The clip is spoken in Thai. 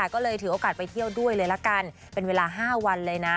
ก็เลยถือโอกาสไปเที่ยวด้วยเลยละกันเป็นเวลา๕วันเลยนะ